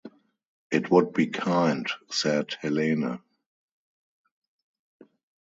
"It would be kind," said Helene.